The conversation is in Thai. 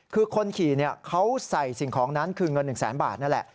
คือคนขี่เขาใส่สิ่งของนั้นคือเงิน๑แสนบาทนั่นแหละ